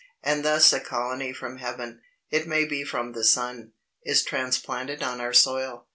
And thus a colony from heaven, it may be from the sun, is transplanted on our soil.